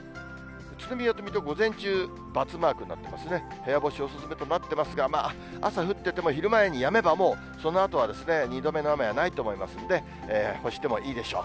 宇都宮と水戸、午前中、×マークになってますね、部屋干しお勧めとなっていますが、朝降ってても、昼前にやめばもう、そのあとは２度目の雨はないと思いますので、干してもいいでしょう。